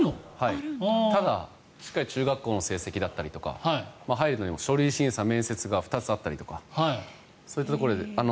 ただ、しっかり中学校の成績だったり入るのにも書類審査面接が２つあったりとかそういったところで。